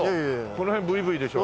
この辺ブイブイでしょう。